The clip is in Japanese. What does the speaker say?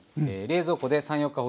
冷蔵庫で３４日